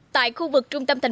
tại khu vực trung tâm tp hcm